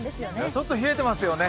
ちょっと冷えてますよね。